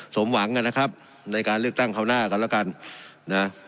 สมหวังกันนะครับในการเลือกตั้งคราวหน้ากันแล้วกันนะ